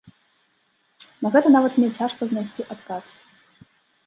На гэта нават мне цяжка знайсці адказ.